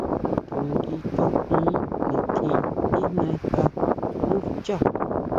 To nguí kanjin nitjín tijnasa nú xchá.